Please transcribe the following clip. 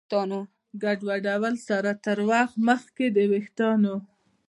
ګډوډولو سره تر وخت مخکې د ویښتانو